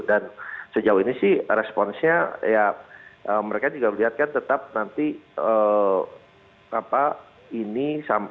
dan sejauh ini sih responsnya ya mereka juga melihatkan tetap nanti